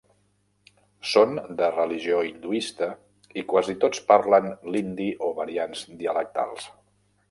Són de religió hinduista i quasi tots parlen l'hindi o variants dialectals.